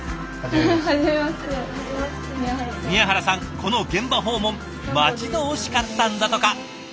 この現場訪問待ち遠しかったんだとか。